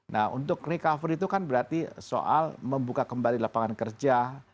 nah untuk recover itu kan berarti soal membuka kembali lapangan kerja